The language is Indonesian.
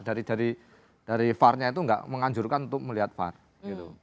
dari dari var nya itu enggak menganjurkan untuk melihat var gitu